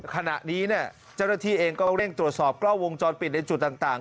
ขณะนี้เจ้าหน้าที่เองก็เร่งตรวจสอบกล้องวงจรปิดในจุดต่าง